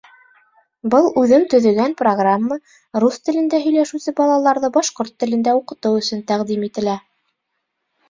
Был үҙем төҙөгән программа рус телендә һөйләшеүсе балаларҙы башҡорт телендә уҡытыу өсөн тәҡдим ителә.